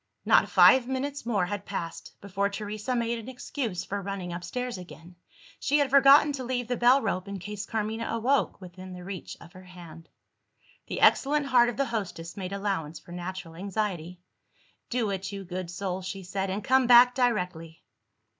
Not five minutes more had passed, before Teresa made an excuse for running upstairs again. She had forgotten to leave the bell rope, in case Carmina woke, within the reach of her hand. The excellent heart of the hostess made allowance for natural anxiety. "Do it, you good soul," she said; "and come back directly!"